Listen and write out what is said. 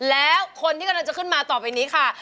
แล้วคนที่กำลังจะขึ้นมาต่อไปนี้ค่ะ